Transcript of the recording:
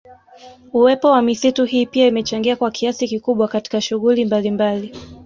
Uwepo wa misitu hii pia imechangia kwa kiasi kikubwa katika shughuli mbalimbali